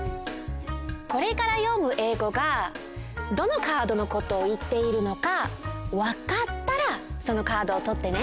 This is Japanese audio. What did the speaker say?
これからよむえいごがどのカードのことをいっているのかわかったらそのカードをとってね。